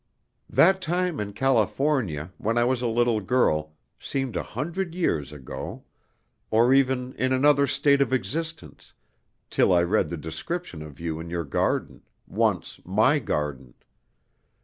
"That time in California, when I was a little girl, seemed a hundred years ago, or even in another state of existence, till I read the description of you in your garden once my garden.